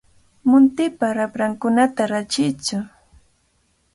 Muntipa raprankunata rachiytsu.